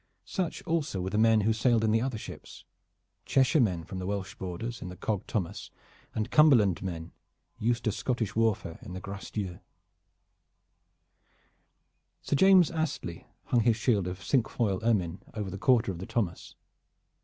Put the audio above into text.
Such also were the men who sailed in the other ships, Cheshire men from the Welsh borders in the cog Thomas, and Cumberland men, used to Scottish warfare, in the Grace Dieu. Sir James Astley hung his shield of cinquefoil ermine over the quarter of the Thomas.